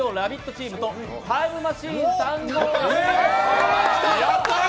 チームとタイムマシーン３号です。